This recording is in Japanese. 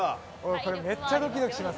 これめっちゃどきどきします。